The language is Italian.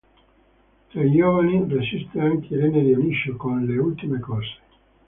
Tra i giovani registi anche Irene Dionisio con "Le ultime cose".